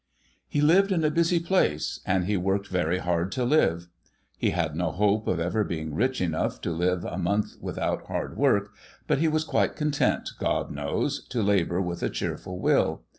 He lived in a busy place, and he worked very hard to live. He had no hope of ever being rich enough to live a month without hard work, but he was quite content, God knows, to labour with a cheer ful will.